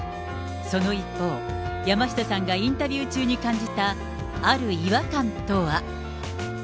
その一方、山下さんがインタビュー中に感じた、ある違和感とは。